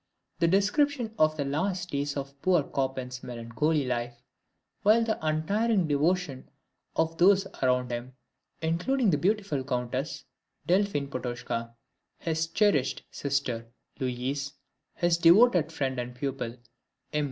The description of the last days of poor Chopin's melancholy life, with the untiring devotion of those around him, including the beautiful countess, Delphine Potocka; his cherished sister, Louise; his devoted friend and pupil, M.